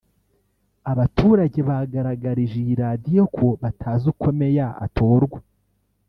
Abaturage bagaragarije iyi radiyo ko batazi uko meya atorwa